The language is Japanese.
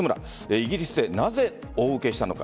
イギリスでなぜ大ウケしたのか。